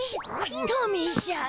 トミーしゃん。